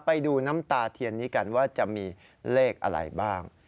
ไปดูน้ำตาเทียนนี้กันว่าจะมีเลขอะไรบ้าง